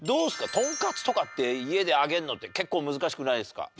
トンカツとかって家で揚げるのって結構難しくないですか？